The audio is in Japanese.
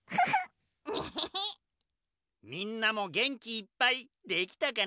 みんなもげんきいっぱいできたかな？